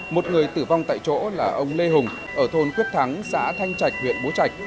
một người tử vong tại chỗ là ông lê hùng ở thôn quyết thắng xã thanh trạch huyện bố trạch